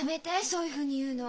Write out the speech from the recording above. そういうふうに言うの。